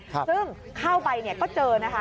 ซึ่งเข้าไปก็เจอ